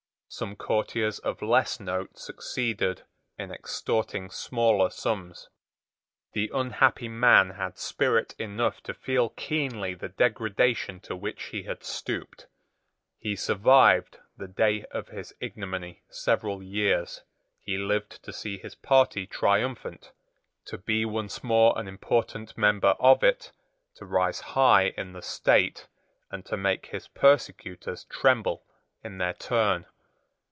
Some courtiers of less note succeeded in extorting smaller sums. The unhappy man had spirit enough to feel keenly the degradation to which he had stooped. He survived the day of his ignominy several years. He lived to see his party triumphant, to be once more an important member of it, to rise high in the state, and to make his persecutors tremble in their turn.